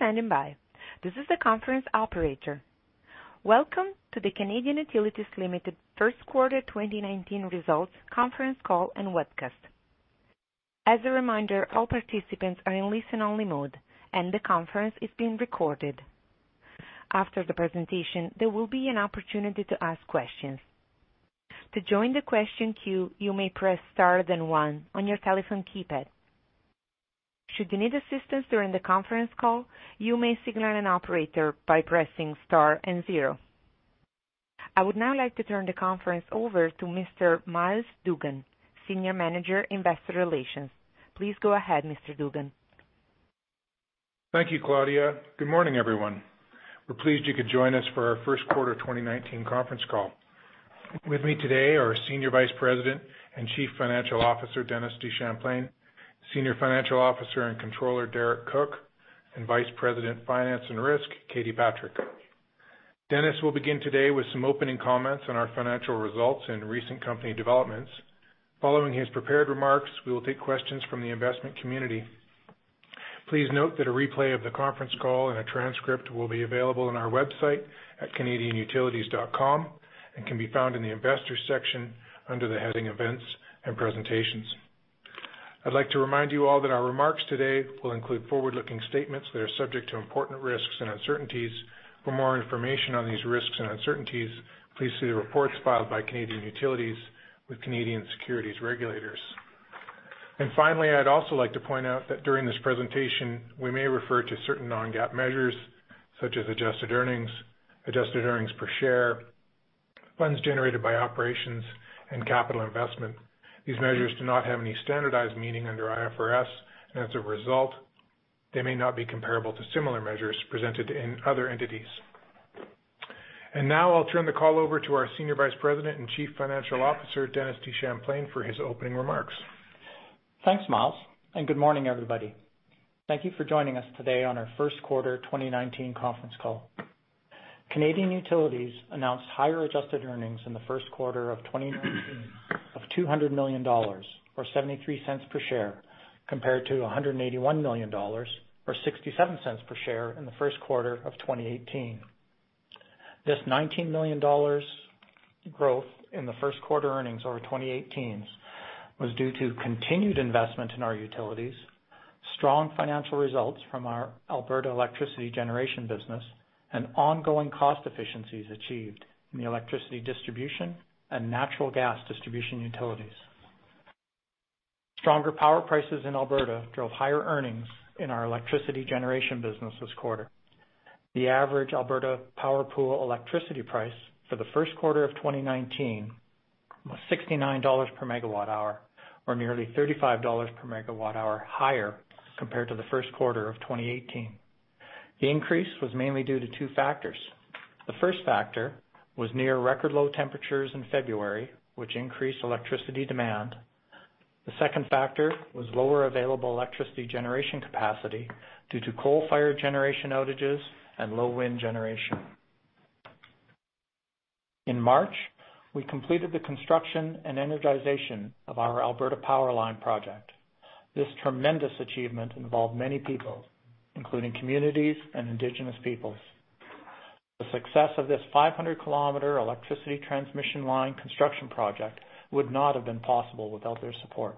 Thank you for standing by. This is the conference operator. Welcome to the Canadian Utilities Limited First Quarter 2019 Results Conference Call and Webcast. As a reminder, all participants are in listen-only mode, and the conference is being recorded. After the presentation, there will be an opportunity to ask questions. To join the question queue, you may press star then one on your telephone keypad. Should you need assistance during the conference call, you may signal an operator by pressing star and zero. I would now like to turn the conference over to Mr. Myles Dougan, Senior Manager, Investor Relations. Please go ahead, Mr. Dougan. Thank you, Claudia. Good morning, everyone. We are pleased you could join us for our first quarter 2019 conference call. With me today are Senior Vice President and Chief Financial Officer, Dennis DeChamplain, Senior Financial Officer and Controller, Derek Cook, and Vice President, Finance and Risk, Katie Patrick. Dennis will begin today with some opening comments on our financial results and recent company developments. Following his prepared remarks, we will take questions from the investment community. Please note that a replay of the conference call and a transcript will be available on our website at canadianutilities.com, and can be found in the Investors section under the heading Events and Presentations. I would like to remind you all that our remarks today will include forward-looking statements that are subject to important risks and uncertainties. For more information on these risks and uncertainties, please see the reports filed by Canadian Utilities with Canadian securities regulators. Finally, I would also like to point out that during this presentation, we may refer to certain non-GAAP measures such as adjusted earnings, adjusted earnings per share, funds generated by operations, and capital investment. These measures do not have any standardized meaning under IFRS, and as a result, they may not be comparable to similar measures presented in other entities. Now I will turn the call over to our Senior Vice President and Chief Financial Officer, Dennis DeChamplain, for his opening remarks. Thanks, Myles. Good morning, everybody. Thank you for joining us today on our first quarter 2019 conference call. Canadian Utilities announced higher adjusted earnings in the first quarter of 2019 of 200 million dollars, or 0.73 per share, compared to 181 million dollars or 0.67 per share in the first quarter of 2018. This 19 million dollars growth in the first quarter earnings over 2018's was due to continued investment in our utilities, strong financial results from our Alberta electricity generation business, and ongoing cost efficiencies achieved in the electricity distribution and natural gas distribution utilities. Stronger power prices in Alberta drove higher earnings in our electricity generation business this quarter. The average Alberta power pool electricity price for the first quarter of 2019 was CAD 69 per megawatt hour, or nearly 35 dollars per megawatt hour higher compared to the first quarter of 2018. The increase was mainly due to two factors. The first factor was near record low temperatures in February, which increased electricity demand. The second factor was lower available electricity generation capacity due to coal-fired generation outages and low wind generation. In March, we completed the construction and energization of our Alberta PowerLine project. This tremendous achievement involved many people, including communities and Indigenous peoples. The success of this 500-kilometer electricity transmission line construction project would not have been possible without their support.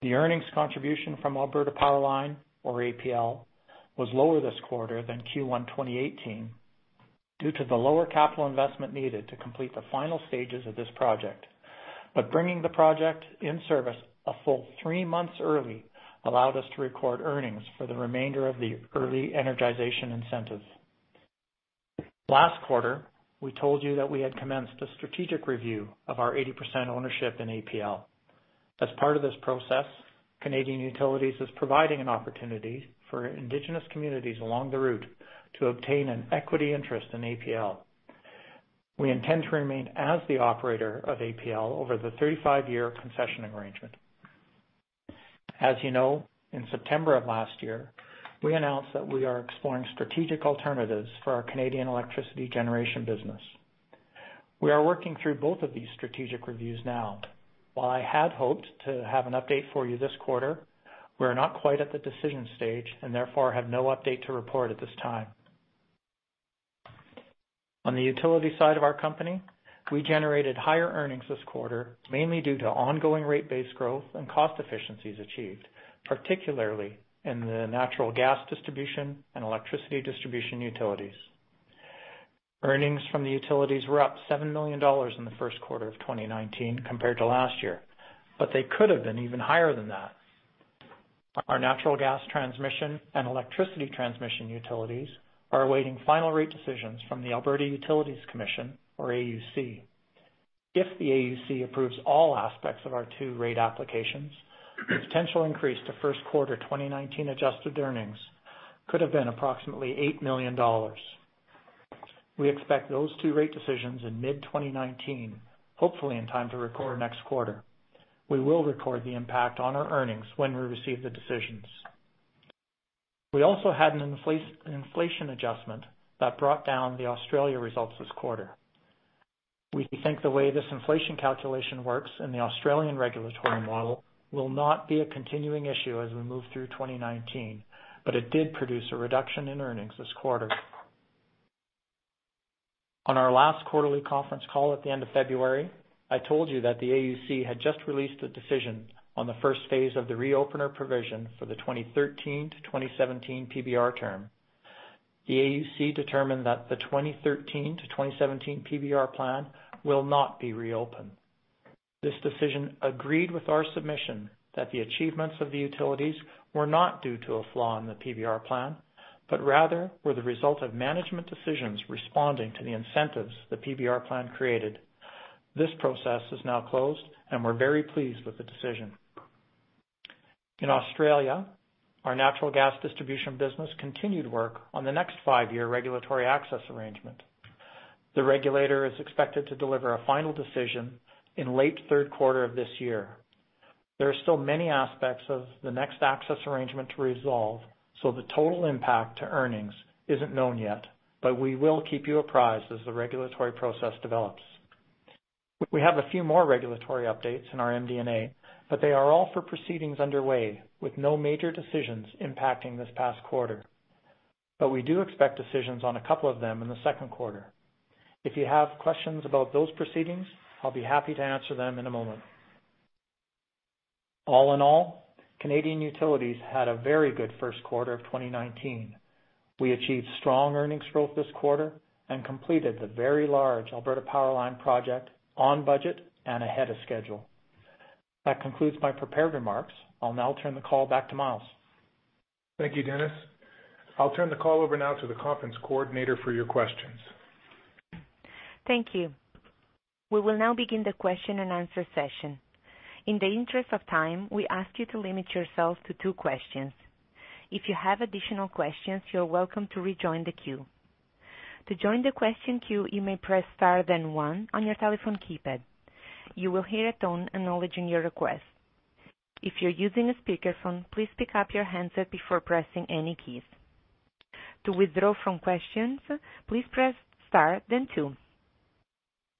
The earnings contribution from Alberta PowerLine, or APL, was lower this quarter than Q1 2018 due to the lower capital investment needed to complete the final stages of this project. Bringing the project in service a full three months early allowed us to record earnings for the remainder of the early energization incentive. Last quarter, we told you that we had commenced a strategic review of our 80% ownership in APL. As part of this process, Canadian Utilities is providing an opportunity for Indigenous communities along the route to obtain an equity interest in APL. We intend to remain as the operator of APL over the 35-year concession arrangement. As you know, in September of last year, we announced that we are exploring strategic alternatives for our Canadian electricity generation business. We are working through both of these strategic reviews now. While I had hoped to have an update for you this quarter, we're not quite at the decision stage and therefore have no update to report at this time. On the utility side of our company, we generated higher earnings this quarter, mainly due to ongoing rate base growth and cost efficiencies achieved, particularly in the natural gas distribution and electricity distribution utilities. Earnings from the utilities were up 7 million dollars in the first quarter of 2019 compared to last year, they could have been even higher than that. Our natural gas transmission and electricity transmission utilities are awaiting final rate decisions from the Alberta Utilities Commission, or AUC. If the AUC approves all aspects of our two rate applications, the potential increase to first quarter 2019 adjusted earnings could have been approximately 8 million dollars. We expect those two rate decisions in mid-2019, hopefully in time to record next quarter. We will record the impact on our earnings when we receive the decisions. We also had an inflation adjustment that brought down the Australia results this quarter. We think the way this inflation calculation works in the Australian regulatory model will not be a continuing issue as we move through 2019, it did produce a reduction in earnings this quarter. On our last quarterly conference call at the end of February, I told you that the AUC had just released a decision on the phase 1 of the reopener provision for the 2013 to 2017 PBR term. The AUC determined that the 2013 to 2017 PBR plan will not be reopened. This decision agreed with our submission that the achievements of the utilities were not due to a flaw in the PBR plan, rather were the result of management decisions responding to the incentives the PBR plan created. This process is now closed, we're very pleased with the decision. In Australia, our natural gas distribution business continued work on the next five-year regulatory access arrangement. The regulator is expected to deliver a final decision in late third quarter of this year. There are still many aspects of the next access arrangement to resolve, so the total impact to earnings isn't known yet, but we will keep you apprised as the regulatory process develops. We have a few more regulatory updates in our MD&A, but they are all for proceedings underway with no major decisions impacting this past quarter. We do expect decisions on a couple of them in the second quarter. If you have questions about those proceedings, I'll be happy to answer them in a moment. All in all, Canadian Utilities had a very good first quarter of 2019. We achieved strong earnings growth this quarter and completed the very large Alberta PowerLine project on budget and ahead of schedule. That concludes my prepared remarks. I'll now turn the call back to Myles. Thank you, Dennis. I'll turn the call over now to the conference coordinator for your questions. Thank you. We will now begin the question and answer session. In the interest of time, we ask you to limit yourself to two questions. If you have additional questions, you're welcome to rejoin the queue. To join the question queue, you may press star then one on your telephone keypad. You will hear a tone acknowledging your request. If you're using a speakerphone, please pick up your handset before pressing any keys. To withdraw from questions, please press star then two.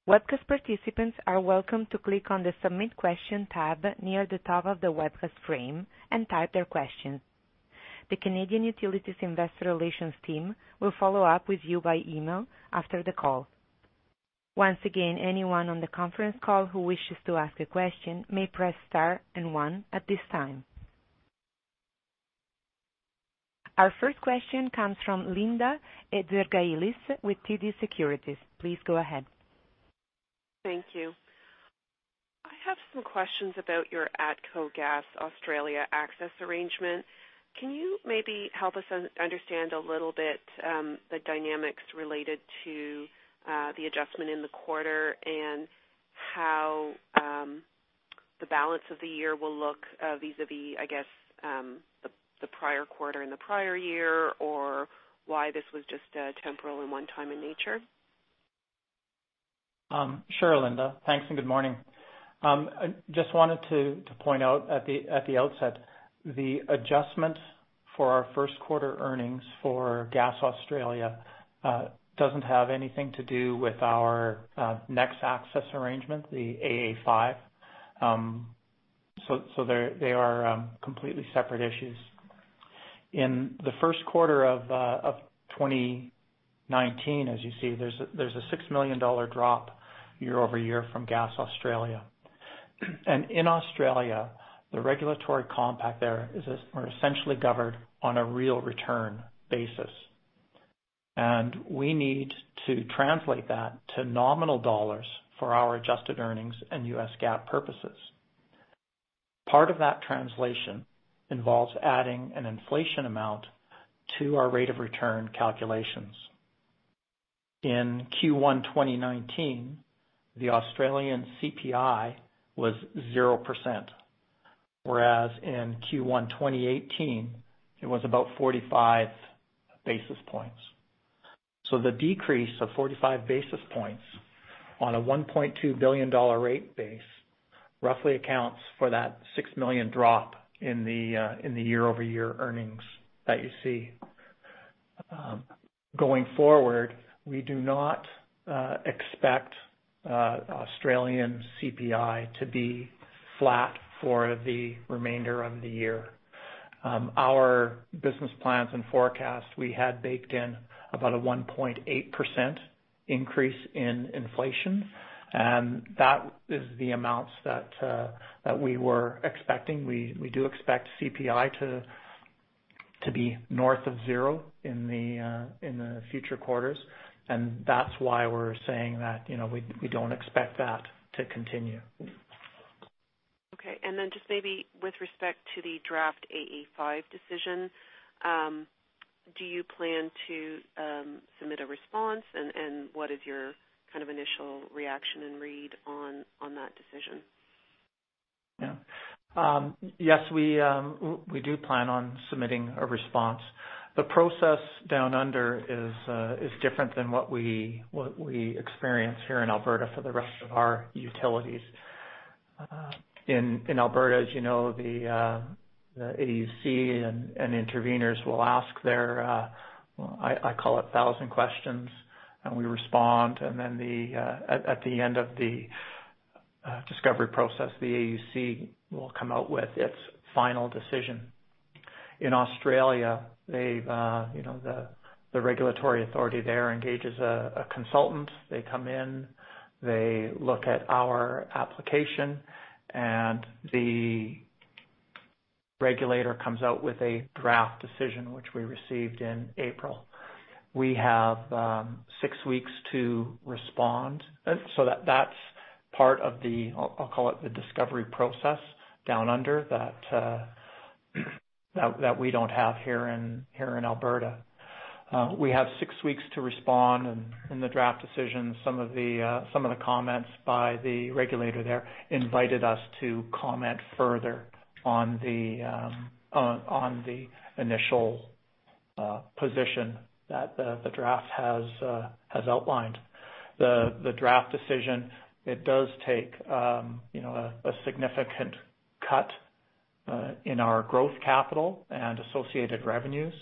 Webcast participants are welcome to click on the Submit Question tab near the top of the webcast frame and type their questions. The Canadian Utilities investor relations team will follow up with you by email after the call. Once again, anyone on the conference call who wishes to ask a question may press star and one at this time. Our first question comes from Linda Ezergailis with TD Securities. Please go ahead. Thank you. I have some questions about your ATCO Gas Australia access arrangement. Can you maybe help us understand a little bit, the dynamics related to the adjustment in the quarter and how the balance of the year will look vis-a-vis, I guess, the prior quarter and the prior year, or why this was just a temporal and one-time in nature? Sure, Linda. Thanks and good morning. Just wanted to point out at the outset, the adjustment for our first quarter earnings for Gas Australia doesn't have anything to do with our next access arrangement, the AA5. They are completely separate issues. In the first quarter of 2019, as you see, there's an 6 million dollar drop year-over-year from Gas Australia. In Australia, the regulatory compact there are essentially governed on a real return basis. We need to translate that to nominal dollars for our adjusted earnings and US GAAP purposes. Part of that translation involves adding an inflation amount to our rate of return calculations. In Q1 2019, the Australian CPI was 0%, whereas in Q1 2018, it was about 45 basis points. The decrease of 45 basis points on an 1.2 billion dollar rate base roughly accounts for that 6 million drop in the year-over-year earnings that you see. Going forward, we do not expect Australian CPI to be flat for the remainder of the year. Our business plans and forecasts, we had baked in about a 1.8% increase in inflation, that is the amounts that we were expecting. We do expect CPI to be north of zero in the future quarters, that's why we're saying that we don't expect that to continue. Okay. Just maybe with respect to the draft AA5 decision, do you plan to submit a response? What is your kind of initial reaction and read on that decision? Yes, we do plan on submitting a response. The process down under is different than what we experience here in Alberta for the rest of our utilities. In Alberta, as you know, the AUC and interveners will ask their, I call it 1,000 questions, and we respond. At the end of the discovery process, the AUC will come out with its final decision. In Australia, the regulatory authority there engages a consultant. They come in, they look at our application, and the regulator comes out with a draft decision, which we received in April. We have six weeks to respond. That's part of the, I'll call it the discovery process, down under that we don't have here in Alberta. We have six weeks to respond in the draft decision. Some of the comments by the regulator there invited us to comment further on the initial position that the draft has outlined. The draft decision does take a significant cut in our growth capital and associated revenues,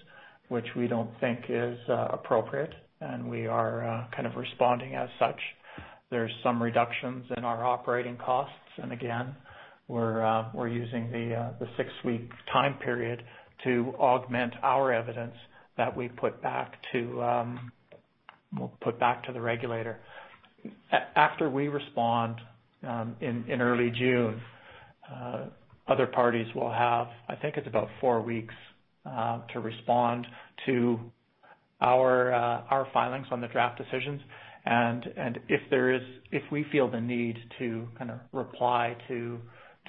which we don't think is appropriate. We are kind of responding as such. There's some reductions in our operating costs, and again, we're using the six-week time period to augment our evidence that we put back to the regulator. After we respond in early June, other parties will have, I think it's about four weeks to respond to our filings on the draft decisions. If we feel the need to reply to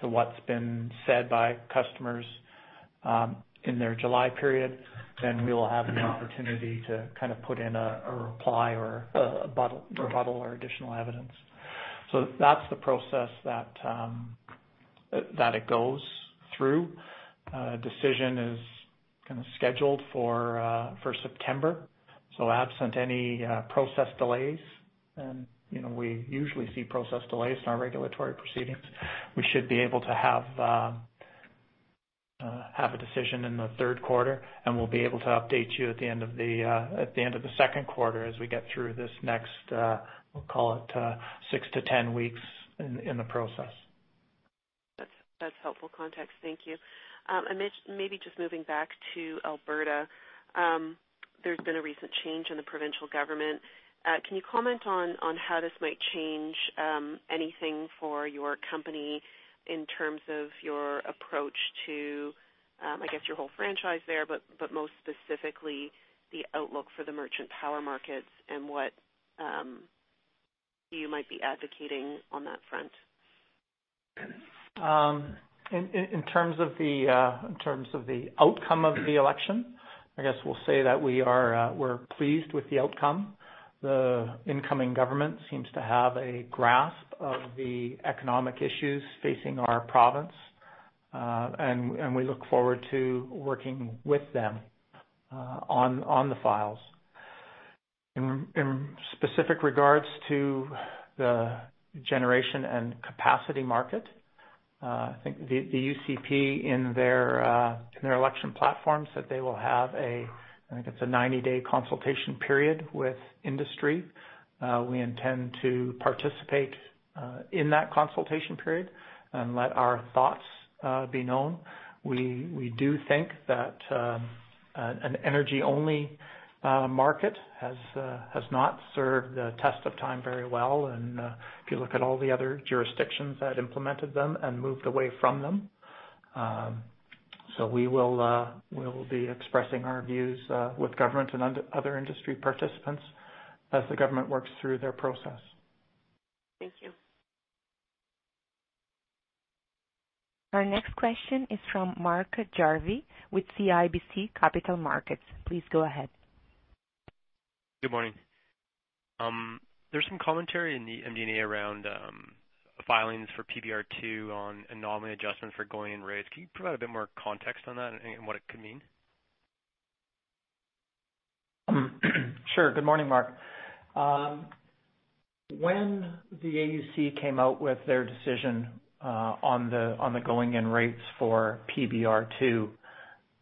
what's been said by customers in their July period, we will have an opportunity to put in a reply or a rebuttal or additional evidence. That's the process that it goes through. Decision is kind of scheduled for September. Absent any process delays, we usually see process delays in our regulatory proceedings, we should be able to have a decision in the third quarter. We'll be able to update you at the end of the second quarter as we get through this next, we'll call it six to 10 weeks in the process. That's helpful context. Thank you. Moving back to Alberta. There has been a recent change in the provincial government. Can you comment on how this might change anything for your company in terms of your approach to, I guess, your whole franchise there, but most specifically, the outlook for the merchant power markets and what you might be advocating on that front? In terms of the outcome of the election, we'll say that we're pleased with the outcome. The incoming government seems to have a grasp of the economic issues facing our province. We look forward to working with them on the files. In specific regards to the generation and capacity market, the UCP in their election platforms, that they will have a 90-day consultation period with industry. We intend to participate in that consultation period and let our thoughts be known. We do think that an energy-only market has not served the test of time very well, and if you look at all the other jurisdictions that implemented them and moved away from them. We'll be expressing our views with government and other industry participants as the government works through their process. Thank you. Our next question is from Mark Jarvi with CIBC Capital Markets. Please go ahead. Good morning. There's some commentary in the MD&A around filings for PBR2 on anomaly adjustments for going-in rates. Can you provide a bit more context on that and what it could mean? Sure. Good morning, Mark. When the AUC came out with their decision on the going-in rates for PBR2,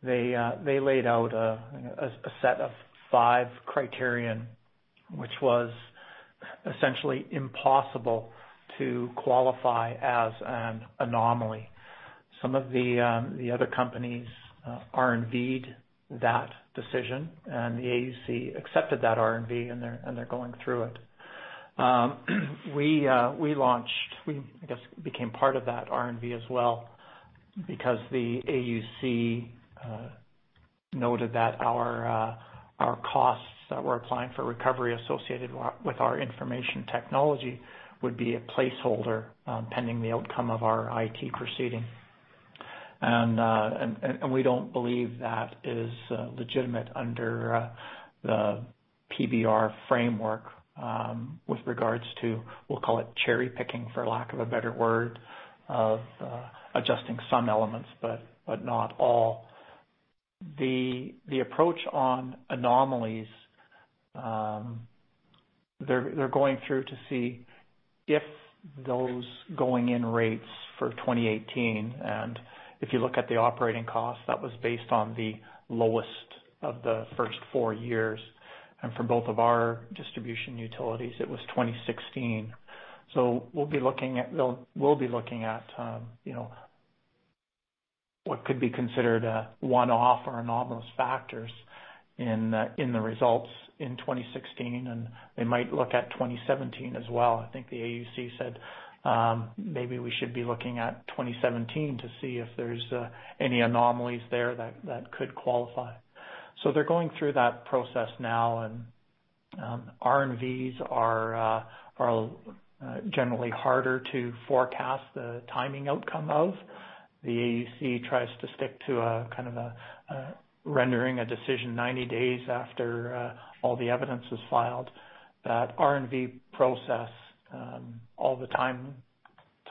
they laid out a set of five criterion, which was essentially impossible to qualify as an anomaly. Some of the other companies R&V'd that decision, and the AUC accepted that R&V and they're going through it. We, I guess, became part of that R&V as well because the AUC noted that our costs that we're applying for recovery associated with our information technology would be a placeholder pending the outcome of our IT proceeding. We don't believe that is legitimate under the PBR framework with regards to, we'll call it cherry-picking, for lack of a better word, of adjusting some elements, but not all. The approach on anomalies, they're going through to see if those going-in rates for 2018, and if you look at the operating cost, that was based on the lowest of the first four years. For both of our distribution utilities, it was 2016. We'll be looking at what could be considered a one-off or anomalous factors in the results in 2016, and they might look at 2017 as well. I think the AUC said maybe we should be looking at 2017 to see if there's any anomalies there that could qualify. They're going through that process now. R&Vs are generally harder to forecast the timing outcome of. The AUC tries to stick to a kind of rendering a decision 90 days after all the evidence is filed. That R&V process, all the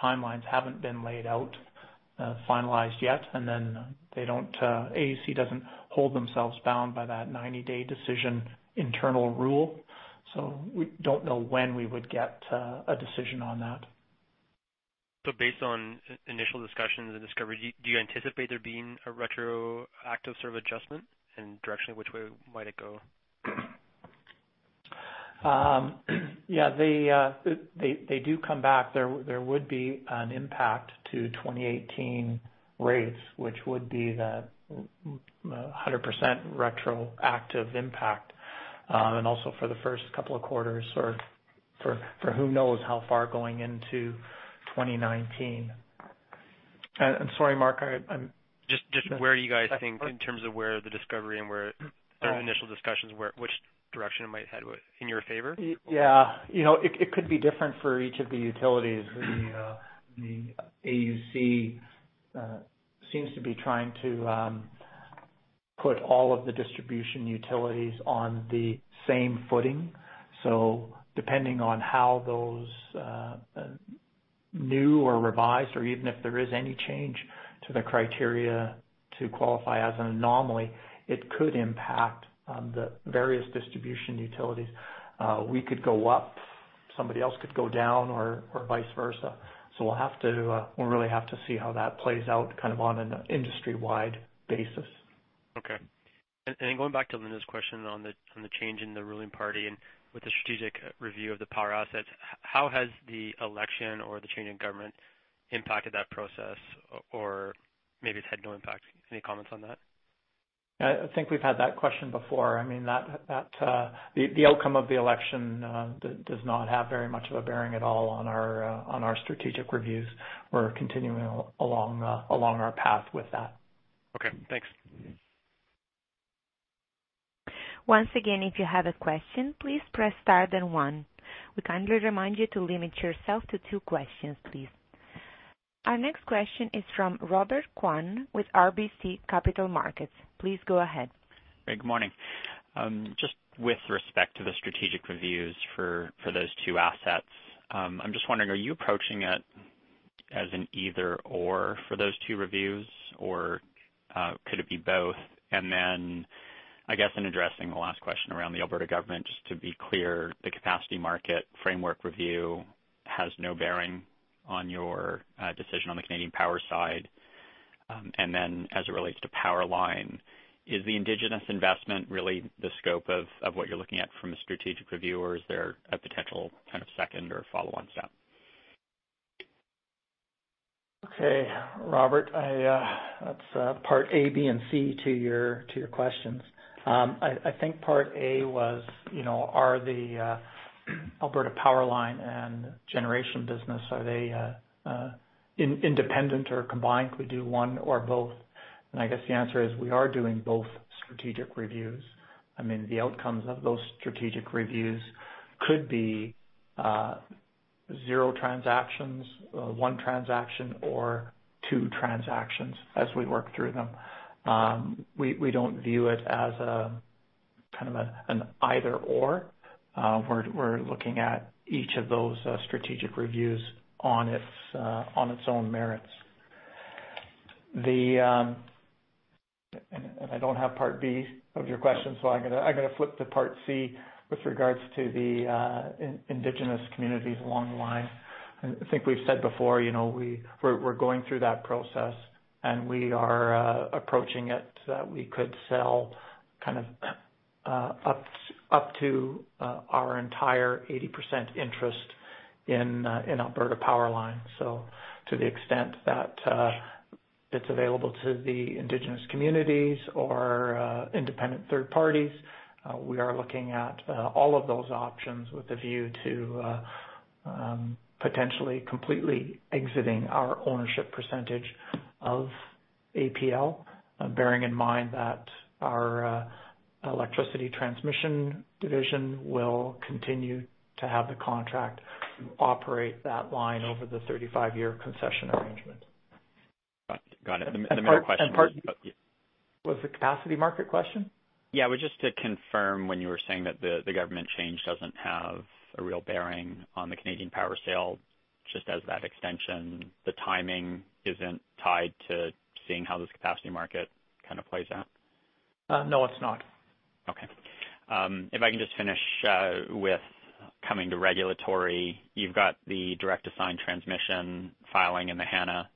timelines haven't been laid out, finalized yet, the AUC doesn't hold themselves bound by that 90-day decision internal rule. We don't know when we would get a decision on that. Based on initial discussions and discovery, do you anticipate there being a retroactive sort of adjustment? Directionally, which way might it go? Yeah. If they do come back, there would be an impact to 2018 rates, which would be the 100% retroactive impact. Also for the first couple of quarters or for who knows how far going into 2019. I'm sorry, Mark. Just where are you guys thinking in terms of where the discovery and where those initial discussions, which direction it might head with, in your favor? Yeah. It could be different for each of the utilities. The AUC seems to be trying to put all of the distribution utilities on the same footing. Depending on how those new or revised, or even if there is any change to the criteria to qualify as an anomaly, it could impact the various distribution utilities. We could go up, somebody else could go down or vice versa. We'll really have to see how that plays out kind of on an industry-wide basis. Okay. Going back to Linda's question on the change in the ruling party and with the strategic review of the power assets, how has the election or the change in government impacted that process? Or maybe it's had no impact. Any comments on that? I think we've had that question before. The outcome of the election does not have very much of a bearing at all on our strategic reviews. We're continuing along our path with that. Okay, thanks. Once again, if you have a question, please press star then one. We kindly remind you to limit yourself to two questions, please. Our next question is from Robert Kwan with RBC Capital Markets. Please go ahead. Hey, good morning. Just with respect to the strategic reviews for those two assets, I'm just wondering, are you approaching it as an either/or for those two reviews, or could it be both? I guess in addressing the last question around the Alberta government, just to be clear, the capacity market framework review has no bearing on your decision on the Canadian power side. As it relates to PowerLine, is the indigenous investment really the scope of what you're looking at from a strategic review, or is there a potential kind of second or follow-on step? Okay. Robert, that's part A, B, and C to your questions. I think part A was are the Alberta PowerLine and generation business, are they independent or combined? Could we do one or both? I guess the answer is we are doing both strategic reviews. The outcomes of those strategic reviews could be zero transactions, one transaction, or two transactions as we work through them. We don't view it as a kind of an either/or. We're looking at each of those strategic reviews on its own merits. I don't have part B of your question, so I'm going to flip to part C with regards to the indigenous communities along the line. I think we've said before, we're going through that process, and we are approaching it. We could sell kind of up to our entire 80% interest in Alberta PowerLine. To the extent that it's available to the indigenous communities or independent third parties, we are looking at all of those options with a view to potentially completely exiting our ownership percentage of APL. Bearing in mind that our electricity transmission division will continue to have the contract to operate that line over the 35-year concession arrangement. Got it. The main question was- Part was the capacity market question? Just to confirm when you were saying that the government change doesn't have a real bearing on the Canadian power sale. Just as that extension, the timing isn't tied to seeing how this capacity market kind of plays out? No, it's not. If I can just finish with coming to regulatory. You've got the direct assigned transmission filing and the Hanna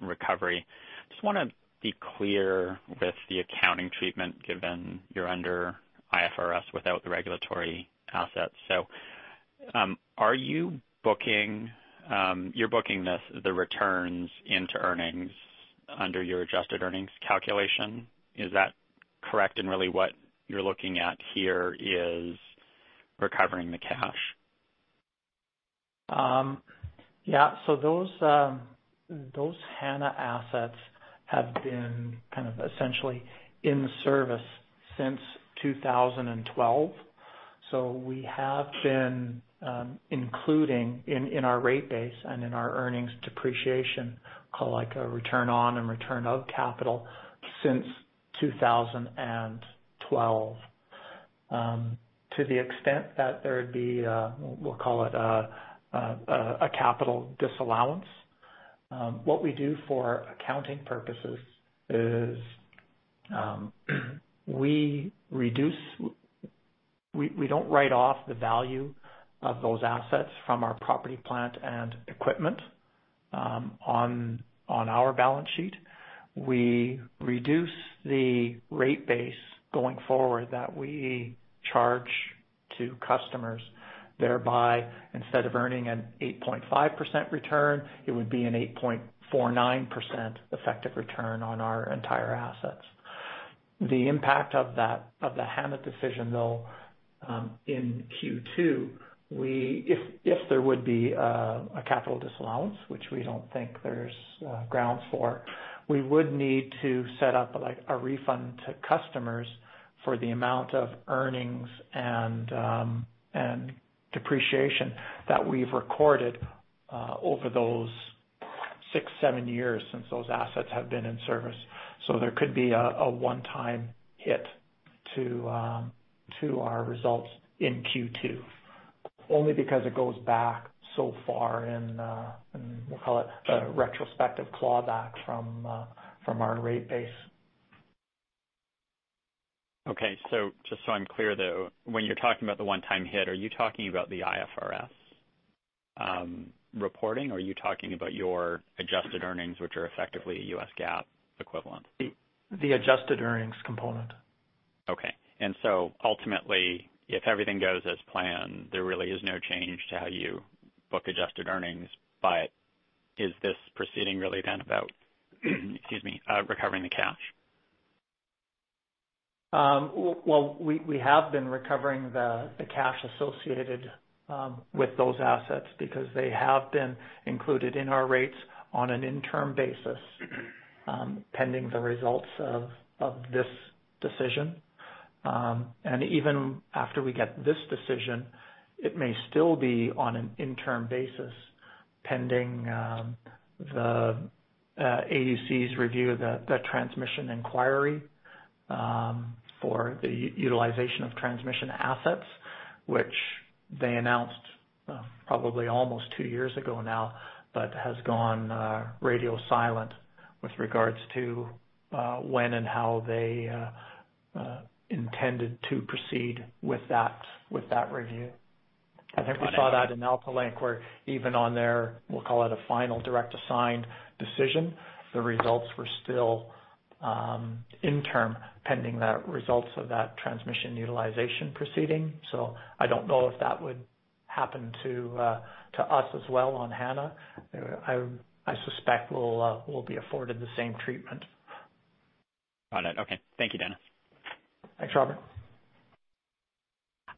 recovery. Just want to be clear with the accounting treatment, given you're under IFRS without the regulatory assets. You're booking the returns into earnings under your adjusted earnings calculation. Is that correct? Really what you're looking at here is recovering the cash. So those Hanna assets have been kind of essentially in service since 2012. We have been including in our rate base and in our earnings depreciation, call like a return on and return of capital since 2012. To the extent that there would be, we'll call it a capital disallowance. What we do for accounting purposes is we don't write off the value of those assets from our property plant and equipment on our balance sheet. We reduce the rate base going forward that we charge to customers. Thereby, instead of earning an 8.5% return, it would be an 8.49% effective return on our entire assets. The impact of the Hanna decision, though, in Q2, if there would be a capital disallowance, which we don't think there's grounds for, we would need to set up a refund to customers for the amount of earnings and depreciation that we've recorded over those six, seven years since those assets have been in service. There could be a one-time hit to our results in Q2, only because it goes back so far in, we'll call it a retrospective clawback from our rate base. Just so I'm clear, though, when you're talking about the one-time hit, are you talking about the IFRS reporting, or are you talking about your adjusted earnings, which are effectively a US GAAP equivalent? The adjusted earnings component. Okay. Ultimately, if everything goes as planned, there really is no change to how you book adjusted earnings. Is this proceeding really then about, excuse me, recovering the cash? Well, we have been recovering the cash associated with those assets because they have been included in our rates on an interim basis pending the results of this decision. Even after we get this decision, it may still be on an interim basis pending the AUC's review of the transmission inquiry for the utilization of transmission assets, which they announced probably almost two years ago now, but has gone radio silent with regards to when and how they intended to proceed with that review. I think we saw that in AltaLink, where even on their, we'll call it a final direct assigned decision, the results were still interim pending the results of that transmission utilization proceeding. I don't know if that would happen to us as well on Hanna. I suspect we'll be afforded the same treatment. Got it. Okay. Thank you, Dennis. Thanks, Robert.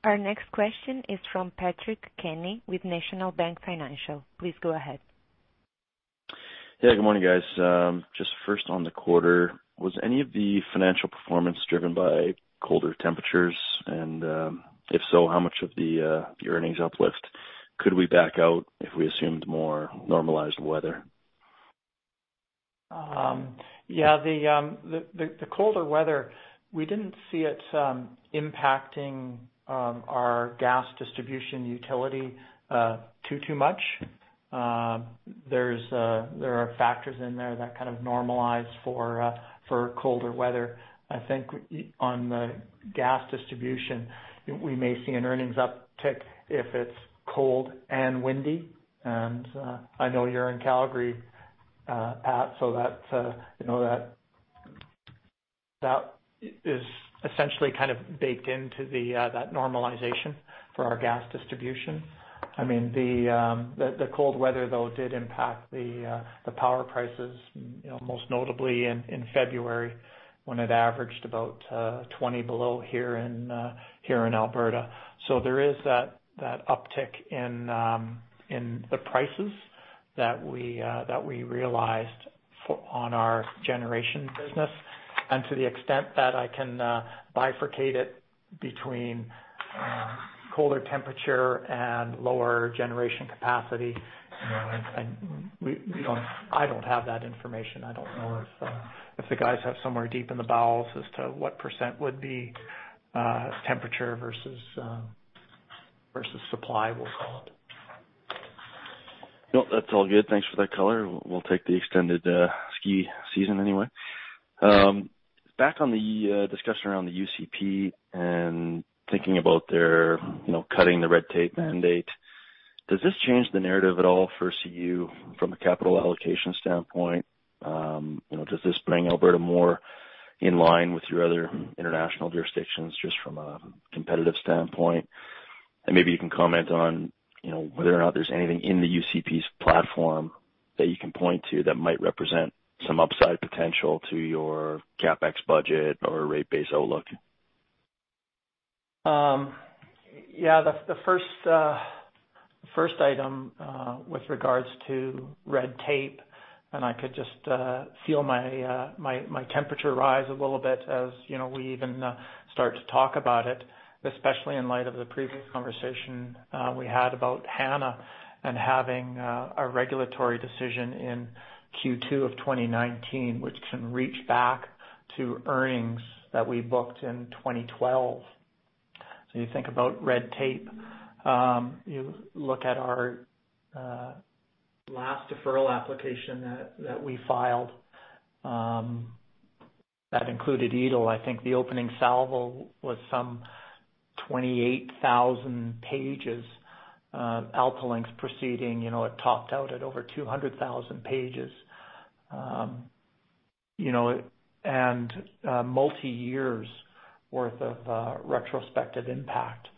Our next question is from Patrick Kenny with National Bank Financial. Please go ahead. Yeah. Good morning, guys. Just first on the quarter, was any of the financial performance driven by colder temperatures? If so, how much of the earnings uplift could we back out if we assumed more normalized weather? Yeah. The colder weather, we didn't see it impacting our gas distribution utility too much. There are factors in there that kind of normalize for colder weather. I think on the gas distribution, we may see an earnings uptick if it's cold and windy. I know you're in Calgary, Pat, that is essentially kind of baked into that normalization for our gas distribution. The cold weather, though, did impact the power prices, most notably in February when it averaged about 20 below here in Alberta. There is that uptick in the prices that we realized on our generation business. To the extent that I can bifurcate it between colder temperature and lower generation capacity, I don't have that information. I don't know if the guys have somewhere deep in the bowels as to what % would be temperature versus supply, we'll call it. No, that's all good. Thanks for that color. We'll take the extended ski season anyway. Back on the discussion around the UCP and thinking about their cutting the red tape mandate, does this change the narrative at all for CU from a capital allocation standpoint? Does this bring Alberta more in line with your other international jurisdictions just from a competitive standpoint? Maybe you can comment on whether or not there's anything in the UCP's platform that you can point to that might represent some upside potential to your CapEx budget or rate base outlook. Yeah. The first item with regards to red tape, I could just feel my temperature rise a little bit as we even start to talk about it, especially in light of the previous conversation we had about Hanna and having a regulatory decision in Q2 2019, which can reach back to earnings that we booked in 2012. You think about red tape. You look at our last deferral application that we filed that included Eagle. I think the opening salvo was some 28,000 pages. AltaLink's proceeding, it topped out at over 200,000 pages and multi-years worth of retrospective impact.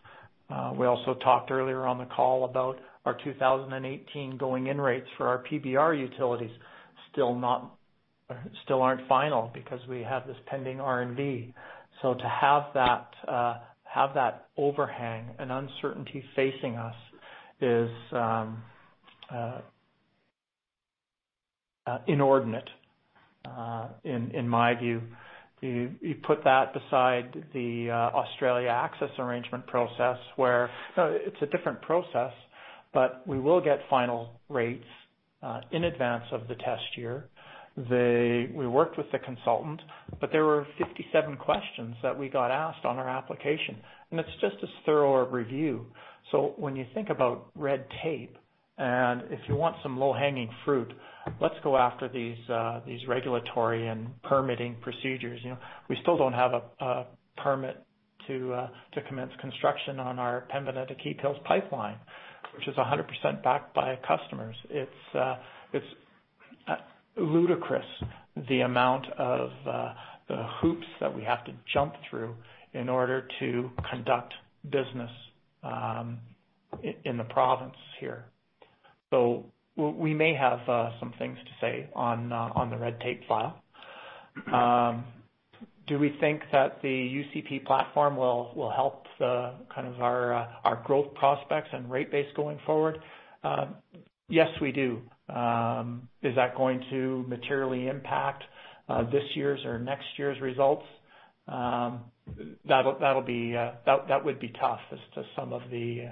We also talked earlier on the call about our 2018 going-in rates for our PBR utilities still aren't final because we have this pending R&V. To have that overhang and uncertainty facing us is inordinate, in my view. You put that beside the Australia access arrangement process where it's a different process, but we will get final rates in advance of the test year. We worked with the consultant, but there were 57 questions that we got asked on our application, and it's just as thorough a review. When you think about red tape, and if you want some low-hanging fruit, let's go after these regulatory and permitting procedures. We still don't have a permit to commence construction on our Pembina to Keephills pipeline, which is 100% backed by customers. It's ludicrous the amount of the hoops that we have to jump through in order to conduct business in the province here. We may have some things to say on the red tape file. Do we think that the UCP platform will help our growth prospects and rate base going forward? Yes, we do. Is that going to materially impact this year's or next year's results? That would be tough as to some of the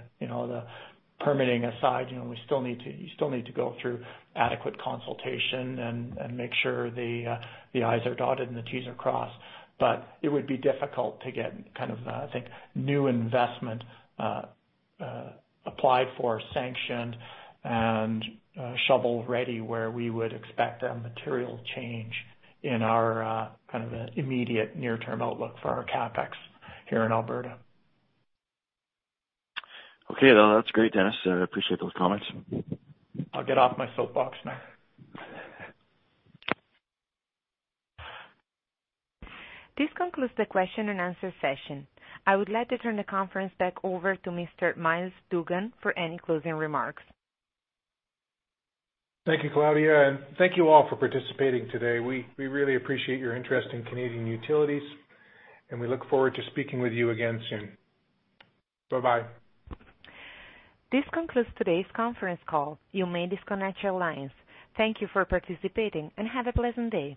permitting aside, you still need to go through adequate consultation and make sure the I's are dotted and the T's are crossed. But it would be difficult to get, I think, new investment applied for, sanctioned, and shovel-ready, where we would expect a material change in our immediate near-term outlook for our CapEx here in Alberta. Okay. No, that's great, Dennis. I appreciate those comments. I'll get off my soapbox now. This concludes the question and answer session. I would like to turn the conference back over to Mr. Myles Dougan for any closing remarks. Thank you, Claudia, and thank you all for participating today. We really appreciate your interest in Canadian Utilities, and we look forward to speaking with you again soon. Bye-bye. This concludes today's conference call. You may disconnect your lines. Thank you for participating and have a pleasant day.